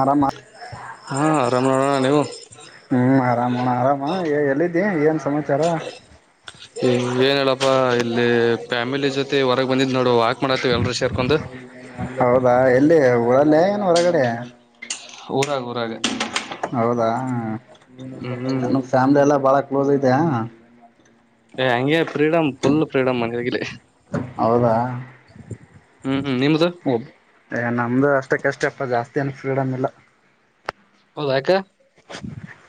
ಆರಾಮ ಹಾ ಆರಾಮ್ ನೋಡೋಣ ನೀವು ಹ್ಮ್ ಆರಾಮಣ್ಣ ಆರಾಮ ಎಲ್ಲಿದ್ದಿ ಏನ್ ಸಮಾಚಾರ ಏನ ಹೇಳಪ್ಪ ಇಲ್ಲಿ ಫ್ಯಾಮಿಲಿ ಜೊತೆ ಹೊರಗ್ ಬಂದಿದ್ ನೋಡು ವಾಕ್ ಮಾಡತ್ತೇವಿ ಎಲ್ರೂ ಸೇರ್ಕೊಂಡು ಹೌದಾ ಎಲ್ಲಿ ಊರಲ್ಲೇ ಹೊರಗಡೆ ಊರಾಗ ಊರಾಗ ಹೌದಾ ಹ್ಮ್ ಹ ನ ಫ್ಯಾಮ್ಲಿ ಎಲ್ಲಾ ಬಾಳ ಕ್ಲೋಸ್ ಐತೆಯಾ ಏ ಹಂಗೆ ಫ್ರೀಡಮ್ ಫುಲ್ ಫ್ರೀಡಮ್ ಅಲಿ ಹೌದಾ. ಹ್ಮ ಹ್ಮ ನಿಮ್ದು. ಏ ನಮ್ದು ಅಷ್ಟಕ್ಕಷ್ಟೇ ಅಪ್ಪ ಜಾಸ್ತಿ ಏನ್ ಫ್ರೀಡಮ್ ಇಲ್ಲ. ಹೌದಾ ಯಾಕೆ.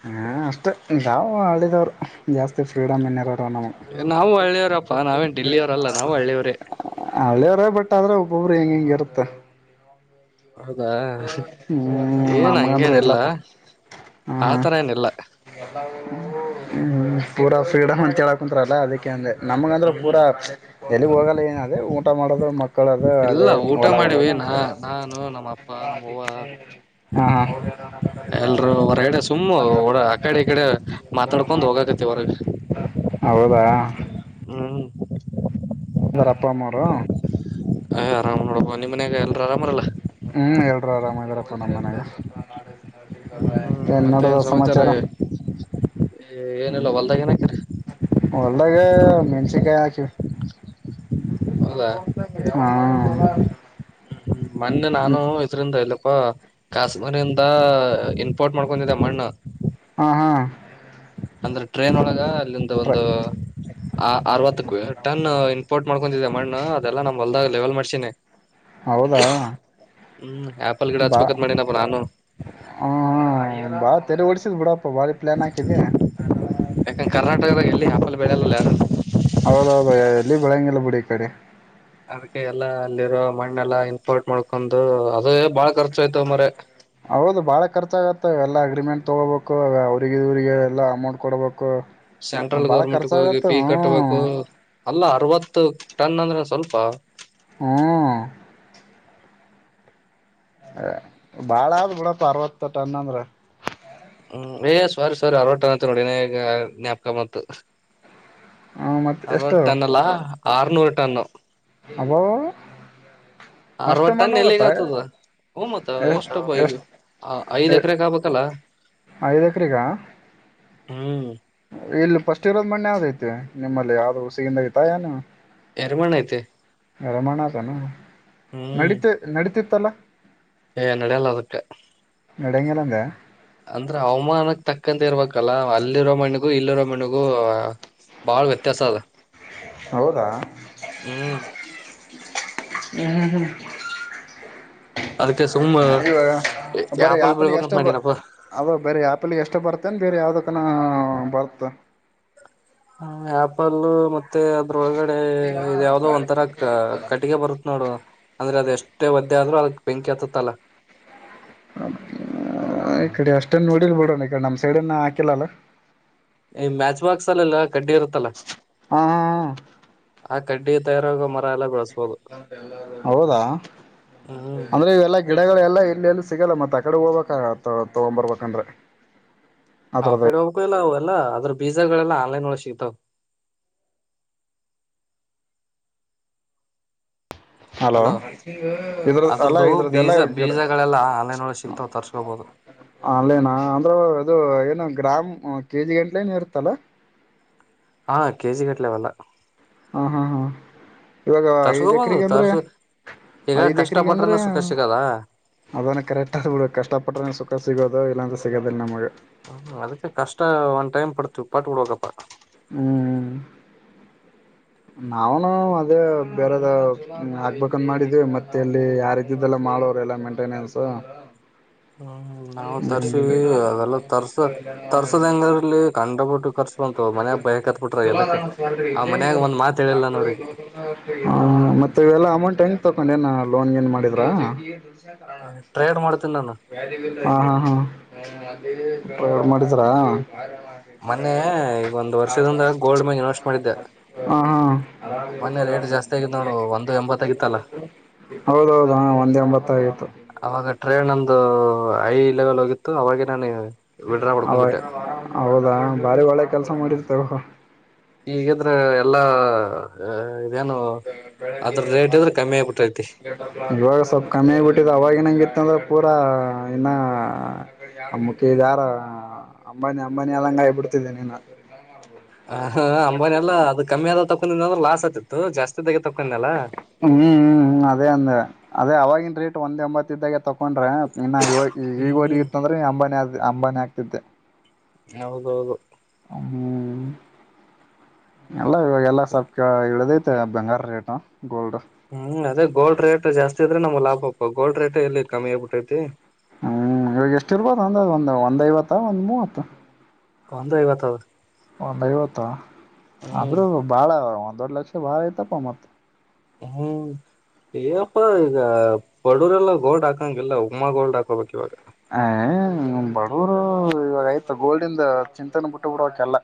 ಹ್ಮ ಅಷ್ಟೇ ಯಾವ ಆಳಿದವ್ರು. ನಾವು ಹಳ್ಳೆಯವರಪ್ಪಾ ನಾವೇನ್ ಡಿಲ್ಲಿಯವರಲ್ಲ ನಾವು ಹಳ್ಳೆಯವ್ರೇ. ಹಳ್ಳಿಯವರೇ ಬಟ್ ಆದ್ರೆ ಒಬ್ಬೊಬ್ಬರು ಹೆಂಗ ಹೆಂಗ ಇರುತ್ತ. ಹೌದಾ ಹ್ಮ್ ಏನ್ ನಮಗಂದ್ರು ಹಂಗೇನಿಲ್ಲ ಎಲ್ಲಪ್ಪ ಆತರೇನಿಲ್ಲ ಹೂ ಪೂರ ಫ್ರಡಮ್ ಅಂತೇಳ ಕುಂತ್ರಲ್ಲ ಅದಕ್ಕೆ ಯಾ ಅಂದ್ರೆ ನಮಗ ಅಂದ್ರೆ ಹ್ಮ್ ಪೂರಾ ಎಲ್ಲಿಗ್ ಹೋಗಲ್ಲ ಏನ್ರ ಊಟ ಮಾಡಿದ್ರೆ ಮತ್ ಇಲ್ಲ ಊಟ ಮಾಡಿವಿ ನ ನಾನು ನಮ್ಮ ಅಪ್ಪ ನಮ್ಮವ್ವ ಹ ಎಲ್ರೂ ಹೊರಗಡೆ ಸುಮ್ಮ್ ಆ ಕಡೆ ಈ ಕಡೆ ಮಾತಾಡ್ಕೊಂಡ್ ಹೋಗಾಕತಿ ಹೊರಗೆ ಹೌದಾ. ಹ್ಮ ವರ ಅಪ್ಪ ಅಮ್ಮರ. ಹ ಆರಾಮ್ ನೋಡಪ ನಿಮ್ ಮನ್ಯಾಗ ಎಲ್ರ ಆರಾಮರಲ್ಲ ಹ್ಮ್ ಎಲ್ರೂ ಆರಾಮದಾರ. ತ ನನಗೆ ಹ್ಮ್ ಹ್ಮ್ ಏನ್ ಮತ್ತೆ ನೋಡದ ಸಮಾಚಾರ. ಏನಿಲ್ಲ ಹೊಲ್ದಾಗ ಏನಾಕಿರಿ ಅಲ್ಲಗ ಮೆನ್ಸಿಕಾಯ ಆಕಿವಿ. ಹೌದಾ ಹಾ ಹ್ಮ್ ಹ್ಮ್ ಮೊನ್ನೆ ನಾನು ಇದರಿಂದ ಇಲ್ಲ ಅ ಕಾಶ್ಮೀರಿಂದ ಇಂಪೋರ್ಟ್ ಮಾಡ್ಕೊಂಡಿದೆ ಮಣ್ಣ ಹಾ ಹಾ ಅಂದ್ರೆ ಟ್ರೈನ್ ಒಳಗ ಟ್ರ ಒ ಅರವತ್ತಕ್ಕೂ ಟನ್ ಇಂಪೋರ್ಟ್ ಮಾಡ್ಕೊಂಡಿದೆ ಮಣ್ಣ ಅದೆಲ್ಲ ನಮ್ ಹೊಲ್ದಾಗ ಲೆವೆಲ್ ಮಾಡಸಿನಿ ಹೌದಾ ಹ್ಮ್ ಆಪಲ್ ಗಿಡ ಬಾ ಹಚ್ಬೇಕತ್ ಮಾಡಿನಪ್ಪ ನಾನು ಹ ಬಾ ತೆರೆ ಡ್ [inaudible] ಯಾಕಂದ ಕರ್ನಾಟಕದ ಎಲ್ಲಿ ಹಾಪ ಬೆಳಲ್ಲಲ್ಲ ಹೌದೌದುಯ ಎಲ್ಲಿ ಬೆಳಂಗಿಲ್ಲ ಬಿುಡಿ ಈ ಕಡೆ ಅದಕ್ಕೆ ಎಲ್ಲಾ ಅಲ್ಲಿರೋ ಮಣ್ಣೆಲ್ಲಾ ಇಂಪೋರ್ಟ್ ಮಾಡ್ಕೊಂಡು ಅದೇ ಬಾಳ ಖರ್ಚು ಆಯ್ತವ ಮರೆ ಹೌದು ಬಾಳ ಖರ್ಚ ಆಗತ್ತ ಎಲ್ಲಾ ಅಗ್ರಿಮೆಂಟ್ ತೊಗೋಬೇಕು ಅವ್ರಿಗೆ ಇವರಿಗೆ ಎಲ್ಲ ಅಮೌಂಟ್ ಕೊಡಬೇಕು ಸೆಂಟ್ರಲ್ ಗೌರ್ಮೆಂಟ್ಗೆ ಹೋಗಿ ಪೀ ಹ್ಮ್ ಕಟ್ಬೇಕು ಅಲ್ಲ ಅರವತ್ತು ಟನ್ ಅಂದ್ರೆ ಸ್ವಲ್ಪ ಹ್ಮ ಬಾಳ ಆದ ಬಿಡ ಅರ್ವತ್ತ ಟನ್ ಅಂದ್ರ ಹ್ಮ್ ಏ ಸವಾರಿ ಸವಾರಿ ಹಲವಟ ನೋಡಿನ ಈಗ ಜ್ಞಾಪಕ ಮತ್ ಹ ಮತ್ತ ಎಷ್ಟು ಅರವತ್ತು ಟನ್ ಅಲ್ಲಾ ಆರನೂರ್ ಟನ್ನು ಅಬೋ ಅಷ್ಟು ಅರವತ್ತು ಮಣ್ಣು ಟನ್ ಎಲ್ಲಿಗ್ ಹೋಗತ್ತ ಆತದ ಹೂ ಮತ್ತ ಎ ಎಷ್ಟಪ್ಪ ಈಗ ಎಷ್ಟ ಐದ್ ಎಕರೆಕ್ ಆಗ್ಬೇಕಲ್ಲ ಐದ ಎಕ್ರಗ [unintelligible] ಹ್ಮ್ ಇಲ್ಲಿ ಫಸ್ಟ್ ಇರೋದ್ ಮಣ್ ಯಾವುದೈತೆ ನಿಮ್ಮಲ್ಲಿ ಯಾವ್ದ್ ಉಸಿಗಿಂದ ಐತಾ ಏನು ಎರಿಮಣ್ ಐತಿ ರಮಣ ಅದನು ಹ್ಮ್ ನಡತ ನಡತ ತ್ತಲ ಏ ನಡೆಯಲ್ಲ ಅದಕ್ಕ ನಡೆಂಗಿಲಂಗ ಅಂದ್ರ ಅವಾಮಾನಕ್ಕೆ ತಕ್ಕಂತೆ ಇರ್ಬೇಕಲ್ಲ ಅಲ್ಲಿರೋ ಮಣ್ಣಿಗೂ ಇಲ್ಲಿರೋ ಮಣ್ಣಿಗೂ ಬಾಳ್ ವ್ಯತ್ಯಾಸ ಅದ ಹೌದಾ [inaudible] ಹ್ಮ್ ಹ್ಮ್ ಹ್ಮ ಹ್ಮ ಅದಕ್ಕೆ ಸುಮ್ಮ್ ಅಯವ ಬರೀ ಆಪಲ್ ಆಪಲ್ಗೆ ಬೆಳ್ಬೇಕಂತ ಎಷ್ಟ ಬ ಮಾಡಿನಪ್ಪ ಅದ ಬರಿ ಆಪಲ್ಗೆ ಎಷ್ಟು ಬರ್ತೇನ್ ಬೇರೆ ಯಾವ್ದಕ್ಕ ವತ್ತ [unintelligible] ಹ ಆಪಲ್ಲು ಮತ್ ಮತ್ತೆ ಅದ್ರೊಳಗಡೆ ಇದ್ ಯಾವದೋ ಒಂಥರ ಕ ಕಟ್ಟಿಗೆ ಬರುತ್ ನೋಡು ಅಂದ್ರೆ ಅದ ಎಷ್ಟ್ ಮಷ್ಟೆ ಒದ್ದೆ ಆದ್ರು ಅದಕ್ ಬೆಂಕಿ ಹತ್ತತ್ತಲ್ಲ ಈ ಕಡೆ ಅಷ್ಟನ್ ನೋಡಿಲ್ ಬಿಡೋಣ ಈ ಕಡೆ ನಮ ಸೈಡ್ನ್ನ ಹಾಕಿಲ್ಲಲ್ಲ [unintelligible] ಈ ಮ್ಯಾಚ್ ಬಾಕ್ಸ್ ಅಲ್ಲಲ್ಲ ಕಡ್ಡಿ ಇರುತ್ತಲ್ಲ ಹಾ ಆ ಕಡ್ಡಿ ತಯಾರಾಗ ಮರ ಎಲ್ಲ ಬೆಳಸ ಹೌದಾ ಹ್ಮ್ ಅಂದ್ರೆ ಇವೆಲ್ಲಾ ಗಿಡಗಳೆಲ್ಲಾ ಇಲ್ಲಲ್ಲಿ ಸಿಗಲ್ಲ ಮತ್ತ ಆಕಡೆ ಹೋಗ್ಬೇಕ ತ ತಗೊಂಡ್ ಬರ್ಬೇಕಂದ್ರೆ ಅವ ಕಡೆ ಹೋಗಬೇಕು ಎಲ್ಲ ಅವರು [unintelligible] ಎಲ್ಲ ಅದ್ರ ಬೀಜಾಗಳೆಲ್ಲ ಆನ್ಲೈನ್ ಒಳಗ ಸಿಗ್ತಾವ ಹಲೋ ಅಲೋ ಇದ್ರ ಅಲ್ಲ ಅದ್ರದ್ದು ಇದ್ರದ್ ಎಲ್ಲ ಬೀಜ ಗಡ ಬೀಜಗಳೆಲ್ಲ ಆನ್ಲೈನ್ ಒಳಗ್ ಸಿಗ್ತಾವ್ ತರ್ಸ್ಕೋಬಹುದು ಅಲ್ಲಿನಾ ಅಂದ್ರೆ ಇದು ಏನು [unintelligible] ಗ್ರಾಮ್ ಕೆಜಿ ಗಟ್ಲೆ ನು ಇರುತ್ತಲ್ಲ ಹ ಕೆಜಿ ಕೆಟ್ಲೆಅವೆಲ್ಲ ಹಾ ಹಾ ಹಾ ಇವಾಗ ಐದ್ ತರ್ಸ್ಕೋಬಹುದು ಎಕ್ರಿಗೆ ಅಂದ್ರೆ ತರ್ಸ ಈಗ ಐದ್ ಕಷ್ಟ ಎಕ್ರಿಗೆ ಅಂದ್ರ ಪಟ್ರನ ಸುಖ ಸಿಗದ ಅದನ್ನು ಕರೆಕ್ಟ್ ಆಗ ಕಷ್ಟ ಪಟ್ರೆ ಸುಖ ಸಿಗೋದು ಇಲ್ಲಾಂದ ಸಿಗೋದಿಲ್ಲ ನಮಗೆ ಹ್ಮ ಅದಕ್ಕೆ ಕಷ್ಟ ಒಂದ ಟೈಮ ಪಡ್ತೀವಿ ಪಾಟ್ಟ ಬಿಡ್ುವಪ್ಪ ಹ್ಮ್ ನಾವನು ಅದೇ ಬೇರೆದ ಆಗ್ಬೇಕನ್ ಮಾಡಿದವಿ ಮತ್ತೆ ಇಲ್ಲಿ ಯಾರ್ದಿದ್ದಲ್ಲ ಮಾಡೋ್ರ ಎಲ್ಲಾ ಮೇಂಟೆನೆನ್ಸ್ ಹ್ಮ್ ನಾವವು ತರ್ಸೀವಿ ಸರ್ಟಿಫಿಕೇಟ್ ಅದೆಲ್ಲ ತರ್ಸ ತರ್ಸದಂಗರ್ಲ್ಲಿ ಕಂಡ ಬಿಿಟ್ಟು ಕರ್ಸ ಬಂತು ಮನಯಾಗ ಬಯತ್ಬಿಟ್ರ ಚಲೋ ಅದ ಎದಕ್ ಸ್ಯಾಲ್ರಿ ಆ ಇಲ್ಲೇ ಇದೆ ಮನ್ಯಾಗ ಒಂದ್ ಮಾತ ಹೇಳಿಲ್ಲನವ್ರಿಗೆ ಹ ಮತ್ತೆ ಇವೆಲ್ಲಾ ಅಮೌಂಟ್ ಹೆಂಗ ತಕೊಂಡ ಏನ ಲೋನ್ ಏನ್ ಮಾಡಿದ್ರಾ ಟ್ರೇಡ್ ಮಾಡ್ತನಿ ನಾನು ಹಾ ಹಾ ಹಾ ಮಾಡಿದ್ರಾ ಮೊನ್ನೆ ಈಗ ಒಂದ್ ವರ್ಷದಿಂದ ಗೋಲ್ಡ್ ಮ್ಯಾಗ ಇನ್ವೆಸ್ಟ್ ಮಾಡಿದ್ದೆ [unintelligible] ಮೊನ್ನೆ ರೇಟ್ ಜಾಸ್ತಿ ಆಗಿದ್ ನೋಡು ಒಂದು ಎಂಬತ್ತಗಿತ್ತಲ್ಲ ಹೌದೌದು ಹಾ ಒಂದ್ ಎಂಬತ್ತಾ ಐದು ಅವಾಗ ಟ್ರೈನ್ ಒಂದು ಹೈ ಲೆವೆಲ್ ಹೋಗಿತು ಅವಾಗೇನಾರ - ಅವ ಹೌದಾ ಬಾರಿ ಒಳ್ಳೆ ಕೆಲ್ಸ ಸಮಾಮತ ಈಗಂದ್ರೆ ಎಲ್ಲಾ ಇದೇನು ಬೆಗ್ಗೆ ಅದ್ರ ರೇಟ್ ಇದ್ರೆ ಕಮ್ಮಿ ಆಗ್ಬಿಟ್ಟೈತಿ ಇವಾಗ ಸ್ವಲ್ಪ ಕಮ್ಮಿ ಆಗ್ಬಿಟ್ಟಿದೆ ಅವಾಗ ಏನಂಗಿತ್ತು ಇಂದ್ರ ಪೂರಾ ಇನ್ನ ಅ ಮುಖಿ ಜ ಯಾರ ಅಂಬಾನಿ ಅಂಬಾನಿ ಅದಂಗ ಬಿಿಡ್ತಿದ್ದೇನಿ ನ ಹ ಹ ಅಂಬಾನಿ ಎಲ್ಲಾ ಅದು ಕಮ್ಮಿ ಆದ ತ ್ರ ಲಾಸ್ ಆತಿತ್ತು ಜಾಸ್ತಿ ಹ್ಮ್ ಹ್ಮ್ ಹ್ಮ್ ಅದೇ ಅಂದ ಅದೇ ಅವವಾಗಿನ ರೇಟ್ ಒಂದ್ ಎಂಬತ್ತ ಇದಾಗೆ ತಕೊಂಡ್ರೆ ಇನ್ನ ಈವಾಗ್ ಈಗ ಹ್ಮ್ ಹೋಗಿ ಹ್ಮ್ ಇತ್ತಂದ್ರೆ ಅಂಬಾನಿ ಅದ್ ಅಂಬಾನಿ ಆಗ್ತಿದ್ದೆ ಹೌದೌದು ಹ್ಮ್ ಎಲ್ಲ ಇವಾಗ ಎಲ್ಲಾ ಸಪ್ ಇಳಿದಿದ್ ಎಷ್ಟು ಬಂಗಾರ ರೇಟು ಗೋಲ್ಡ್ ಹ್ಮ್ ಅದೇ ಗೋಲ್ಡ್ ರೇಟ್ ಜಾಸ್ತಿ ಇದ್ರೆ ನಮ್ಗ್ ಲಾಭಪ್ಪ ಗೋಲ್ಡ್ ರೇಟ್ ಎಲ್ಲಿ ಕಮ್ಮಿ ಆಗ್ಬೇಟ್ ಐತಿ ಹ್ಮ್ ಇವಾಗ ಎಷ್ಟ ಇರ್ಬೋದಂದಾಜ್ ಒಂದ ಒಂದ್ ಐವತ್ತ ಒಂದ್ ಮೂವತ್ತ ಒಂದು ಐವತ್ತಾಗುತ್ತೆ ಒಂದೈವತ್ತು ಹ್ಮ್ ಅಂದ್ರು ಬಾಳ ವ್ ವರ್ಲಕ್ಷ ಭಾಳ ಐತಪ್ಪ ಮತ್ ಹ್ಮ್ ಈಗಪ ಇದಾ ಬಡುವ್ರೆಲ್ಲ ಗೋಲ್ಡ್ ಹಾಕಂಗಿಲ್ಲ ಉಮಾ ಗೋಲ್ಡ್ ಹಾಕೋಬೇಕಿವಾಗ ಏ ಬಡವರು ಇವಾಗ ಆಯ್ತ ಗೋಲ್ಡಿಂದ ಚಿಂತೇನೆ ಬಿಟ್ಟು ಬಿಡಬೇಕೆಲ್ಲ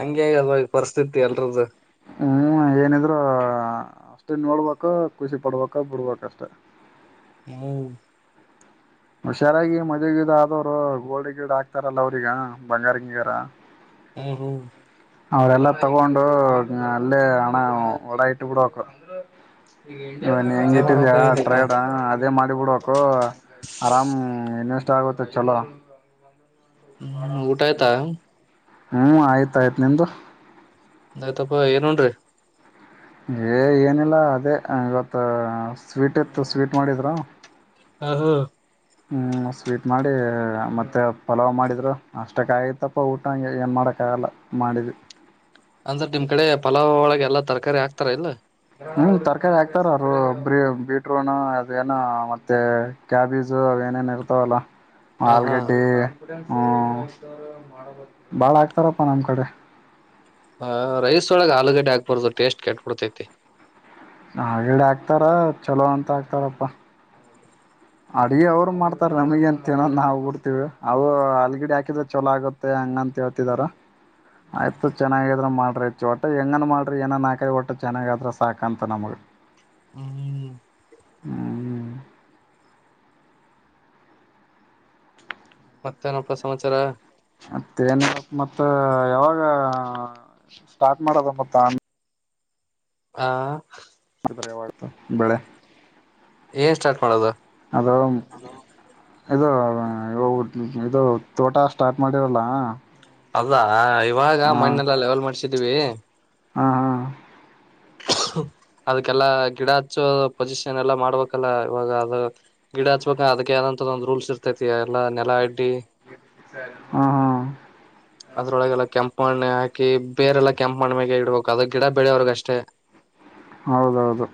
ಹಂಗೆ ಈಗ ಇರೋವೋ ಹ್ಮ ಏನಿದ್ರು ಅಷ್ಟೇ ನೋಡ್ಬೇಕ ಖುಷಿ ಪಡ್ಬೇಕ ಬಿಡ್ಬೇಕಷ್ಟೆ ಹ್ಮ್ ಹುಷಾರಾಗಿ ಮದ್ವಿ ಗಿದ್ವಿ ಆದವರು ಗೋಲ್ಡ್ ಗಿಡ ಹಕ್ತಾರಲ್ಲ ಅವ್ರಗ ಬಂಗಾರ ಗಿಂಗಾರ ಹ್ಮ್ ಹ್ಮ್ ಅವರೆಲ್ಲಾ ತಗೊಂಡು ಅಲ್ಲೇ ಹಣ ಒಡ ಇಟ್ಟ ಬಿಡಕ್ ಇನ್ ಹೆಂಗ ಅದೇ ಇಟ್ಟಿದ್ಯಾ ಮಾಡ್ಬೇಕಾಗ್ಯದ ಈಗ ಟ್ರೇಡ್ ಅದೇ ಮಾಡ್ಬಿಡು [unintelligible] [inaudible] ಆರಾಮ್ ಇನ್ವೆಷ್ಟ ಆಗುತ್ತೆ ಚಲೋ ಹ್ಮ್ ಊಟ ಆಯ್ತಾ ಹ್ಮ್ ಆಯ್ತ್ ಆಯ್ತ್ ನಿಂದು ನಂದು ಆಯ್ತಪ್ಪ ಏನ್ ಉಂಡ್ರಿ ಹೇ ಏನಿಲ್ಲ ಅದೇ ಇವತ್ತ ಸ್ವೀಟ್ ಇತ್ತು ಸ್ವೀಟ್ ಮಾಡಿದ್ರ ಹಾ ಹಾ ಹ್ಮ್ ಸ್ವೀಟ್ ಮಾಡಿ ಮತ್ತೆ ಪಲಾವ್ ಮಾಡಿದ್ರು ಅಷ್ಟಕ್ಕ ಆಗತ್ತಪ್ಪ ಊಟ ಏನ್ ಮಾಡಕ್ ಆಗಲ್ಲ ಮಾಡಿದಿ ಅಂದ್ರೆ ನಿಮ್ ಕಡೆ ಪಲಾವ್ ಒಳಗೆ ಎಲ್ಲಾ ತರಕಾರಿ ಹಾಕ್ತಾರ ಇಲ್ಲ ಹ್ಮ್ ತರಕಾರಿ ಹಾಕ್ತಾರ್ರ ಬೀಟ್ರೋನ ಅದೇ ಏನ ಮತ್ತೆ ಕ್ಯಾಬೀಜು ಅವ ಏನೇನು ಇರ್ತಾವಲ್ಲ ಹ ಆಲೂಗಡ್ಡಿ ಹ್ಮ್ [inaudible] ಬಾಳ ಹಾಕ್ತಾರಪ್ಪಾ ನಮ್ ಕಡೆ ಹಾ ರೈಸ್ ಒಳಗೆ ಆಲೂಗಡ್ಡೆ ಹಾಕ್ಬಾರ್ದು ಟೇಸ್ಟ್ ಕೆಟ್ಬಿಡ್ತೈತಿ ಆಲೂಗಡ್ಡೆ ಆಕ್ತಾರ ಚಲೋ ಅಂತ ಆಕ್ತಾರಪ್ಪ ಅಡಿಗೆ ಅವರು ಮಾಡ್ತಾರ ನಮ್ಮಗೇನು ತಿನ ನಾವು ಬಿಡ್ತಿವಿ ಅವು ಆಲೂಗಡ್ಡೆ ಹಾಕಿದ್ರ ಚೊಲೋ ಆಗುತ್ತೆ ಹಂಗಂತ ಹೇಳ್ತಿದಾರ ಆಯ್ತು ಚೆನ್ನಾಗಿದ್ರ ಮಾಡ್ರಿ ಒಟ್ಟೆ ಹೆಂಗನ್ ಮಾಡ್ರಿ ಏನನ್ ಹಾಕ್ರಿ ಒಟ್ಟೆ ಚೆನ್ನಾಗ ಆದ್ರ ಸಾಕಂತ ನಮಗ ಹ್ಮ್ ಹ್ಮ್ ಮತ್ತೇನಪ್ಪಾ ಸಮಾಚಾರ ಮತ್ತೆ ನಪ್ಪ ಮತ್ತ ಯಾವಾಗ [inaudible] ಸ್ಟಾರ್ಟ್ ಮಾಡದ ಮತ್ತ ಹಾ [unintelligible] ಬೆಳೆ ಏನ್ ಸ್ಟಾರ್ಟ್ ಮಾಡೋದು ಅದು ಇದು ಇದು ತೋಟ ಸ್ಟಾರ್ಟ್ ಮಾಡಿರಲ್ಲ ಅಲ್ಲಾ ಇವಾಗ ಹಾ ಮಣ್ಣೆಲ್ಲ ಲೆವೆಲ್ ಮಾಡ್ಸ [unintelligible] ಹಾ ಹಾ ಅದಕ್ಕೆಲ್ಲಾ ಗಿಡ ಹಚ್ಚೋ ಪೊಸಿಷನ್ ಎಲ್ಲಾ ಮಾಡ್ಬೇಕಲ್ಲ ಇವಾಗ ಅದ ಗಿಡ ಹಚ್ಬೇಕ ಅದಕ್ಕೆ ಏನಂತ ಒಂದ್ ರೂಲ್ಸ್ ಇರ್ತೈತಿ ಎಲ್ಲಾ ನೆಲ ಅಡ್ಡಿ ಹಾ ಹಾ ಅದ್ರೊಳಗೆಲ್ಲ ಕೆಂಪ ಮಣ್ಣೆ ಹಾಕಿ ಬೇರೆಲ್ಲಾ ಕೆಂಪ್ ಮಣ್ಣ್ಮ್ಯಾಗ ಇಡ್ಬೇಕು ಅದು ಗಿಡ ಬೆಳೆಯವ್ರಗೆ ಅಷ್ಟೇ ಹೌದೌದು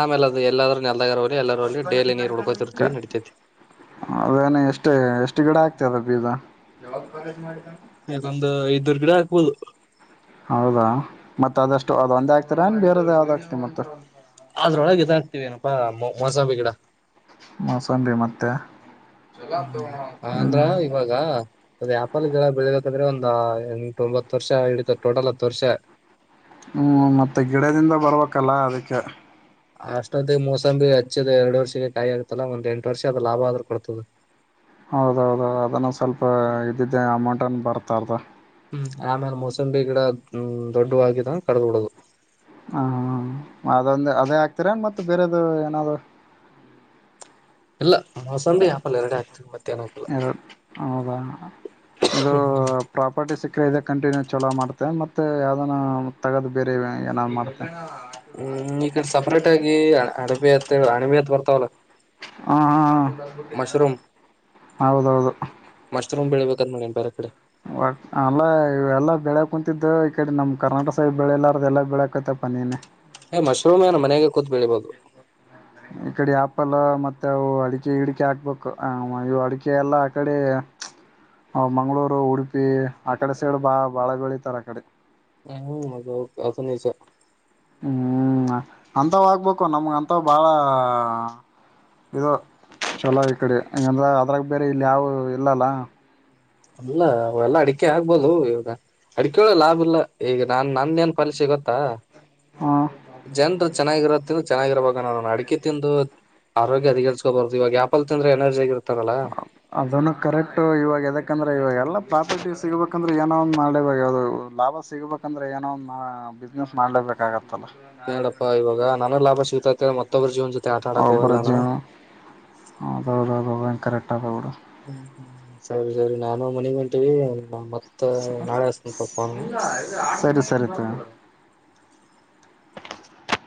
ಆಮೇಲೆ ಅದು ಎಲ್ಲಾದ್ರೂ ನೆಲ್ದಾಗರಲಿ ಎಲ್ಲರಲ್ಲಿ ಡೈಲಿ ನೀರ್ ಹುಡ್ಕೋತಿರ್ತೀವಿ ನಡಿತೈತಿ ಹೌದೇನು ಎಷ್ಟೇ ಎಷ್ಟು ಗಿಡ ಆಕ್ತ [unintelligible] ಬೀಜ ಯಾವಾಗ [unintelligible] ದುರ್ಗಾಾಗ ಪೂಲ್ ಹೌದಾ ಮತ್ತತ್ ಅದಷ್ಟು ಅದ ಒಂದೇ ಆಗ್ತರಾ ಬೇರೆದ ಯಾವ್ದ್ ಆಗ್ತಿ ಮತ್ತತ್ ಅದ್ರೊಳಗೆ ಇದಾ್ತೀವಿೇನಪ್ಪಾ ಅಮ್ಮ ಹಸ ಬೇಗಡಾ ಮೋಸಬಿ ಮತ್ತೆ ಹ್ಮ್ ಅಂದ್ರ ಹ್ಮ [unintelligible] ಇವಾಗ ಅದ ಆ್ಯಪಲ್ಗಳ ಬೆಳಗದಂದ್ರೆ ಒಂದ ಎಂಟೊಂಬತ್ತು ವರ್ಷ ಇಡಿತ ಟೋಟಲ್ ಹತ್ತು ವರ್ಷ ಹ್ಮ್ ಮತ್ತೆ ಗಿಡದಿಂದ ಬರ್ಬೇಕಲ್ಲ ಅದಕ್ಕೆ ಅಷ್ಟೊ್ದ ಮೋಸಂಬಿ ಹಚ್ಚಿದೆ ಎರಡು ವರ್ಷಕ್ಕೆ ಕಾಯಿ ಆಗ್ತಲ್ಲ ಒಂದ್ ಎಂಟು ವರ್ಷ ಅದ ಲಾಭ ಆದ್ರೂ ಕೊಡ್ತದೆ ಹೌದೌದ ಅದನ್ನ ಸ್ವಲ್ಪ ಇದಿದ್ದ ಅಮೌಂಟ್ ಅನ್ ಬರ್ತಾರದಾ ಹ್ಮ ಆಮೇಲೆ ಮೊಸಂಬಿ ಗಿಡ್ ದೊಡ್ಡವಿದ ಕಡ್ದ್ ಬಿಡದು ಹ್ಮ ಅದೊಂದು ಅದೇ ಆಕ್ತೀರ ಮತ್ತ ಬೇರೆದು ಏನಾದ್ರು ಇಲ್ಲ ಮೋಸತಂಬಿ ಯಾಪಲ್ ಎರಡೆ ಆಗ್ತದೆತ್ತೆ ಇ ಹೌದಾ ಇದು ಪ್ರಾಪರ್ಟಿ ಸಿ ್ರ ಕಂಟಿನ್ಯೂ ಚಲೋ ಮಾಡ್ತೆ ಮೆ ಯಾವ್ದಾನ ತಗೋದು್ ಬೇರೆ ಏನಾದ್ ಮಾಡ್ತೆ ಹ್ಮ್ ಈ ಕಡೆ ಸಪ್ರೇಟ್ ಆಗಿ ಅಡಬೆ ಹಾಣಿ ಬಿಯತ್ ಬರ್ತ ಅವಲ್ಲ ಹಾ ಹಾ ಹೌದೌದು ಮಾಡೆ ಬರ ಕಡೆ ಒ ಅಲ್ಲ ಇ ಎಲ್ಲ ಬೆಳಕ್ ಕುಂತಿದ್ದು ಈ ಕಡೆ ನಮ್ ಕರ್ನಾಟಕ ಸೈ ಬೆಳೆಲ್ಲಾರ ಎಲ್ಲ ಬೆಳ್ಯಕತಪ್ಪ ನೀನ ಏ್ಶೂಮ್ ನನ್ ಮನೆಗೆ ಕೂತ್ ಬಿಳಿಬಹುದು ಈ ಕಡೆ ಆಪಲ್ ಮತ್ತೆ ಅವು ಅಡಿಕೆ ಇಡಿಕೆ ಹಾಕ್ಬೇಕು ಇ ಅಡಿಕೆ ಎಲ್ಲಾ ಆಕಡೆ ಮಂಗ್ಗಳೂರು ಉಡುಪಿ ಆ ಕಡೆ ಸೈಡ್ ಬಾ ಬಾಳ ಬೆಳಿತಾರ ಅಕಡೆ ಹ್ಮ್ ಅ ಅದನಷ [unintelligible] ಹ್ಮ್ ಅಂತ್ ಆಗ್ಬೇಕು ನಮ್ಗಂತ ಬಾಳ ಇದು ಚಲೋ ಈ ಕಡೆ ಹಂಗಂದ್ರ ಅದ್ರಾಗ ಬೇರೆ ಇಲ್ಲಿ ಯಾವ ಇಲ್ಲಲ್ಲ ಅಲ್ಲ ಅವ ಎಲ್ಲಾ ಅಡಿಕೆ ಆಗ್ಬೋದು ಇವಾಗ ಅಡಿಕೆಳೆ ಲಾಭ ಇಲ್ಲ ಈಗ ನಾನ್ ನನ್ನೇನ್ ಪಾಲಿಸಿೆ ಗೊತ್ತಾ ಹ ಜನ್ರು ಚೆನ್ನಾಗಿರತ್ತ ಚೆನ್ನಾಗಿರರುವಾಗ ನು ಅಡಿಕೆ ತಿಂದು ಆರೋಗ್ಯ ಅದಗರ್ಿಸಕೋಬಾರದು ಇವಾಗ ಆಪಲ್ ತಿಂದ್ರ ಎನರ್ಜ ಆಗಿರುತ್ತೆ. ಅದನ್ನು ಕರೆಕ್ಟ್ ಇವಾಗದಕ್ಕೆ ಯಾಕಂದ್ರೆ ಇವಾಗ ಎಲ್ಲಾ ಪ್ರಾಪರ್ಟಿ ಸಿಗಬೇಕಂದ್ರೆ ಏನೋ ಒ್ಲೇಬೇಕ ಯಾವದು ಲಾಭ ಸಿಗಬೇಕಂದ್ರೆ ಏನೋ ಒ್ ಬಿಸ್ನೆಸ್ ಮಾಡ್ಲೇಬೇಕಾಗತ್ತಲ್ಲ ಹೇಳಪ್ಪಾ ಇವಾಗ ನಾನು ಲಾಭ ಸಿಗ್ತಾಂತೇಳ ಮತ್ತೆ ತರ್ ಜ ಬ್ರಿಜಜ ಅದದ ಕಟ್ಟಾ ಪೌಡೋ ಹ್ಮ್ ಹ್ಮ್ ಸರಿ ಸರಿ ನಾನು ಮನಿಗ್ ಬಂತೇವಿ ಮ ಸರಿ ಸರಿ ಸ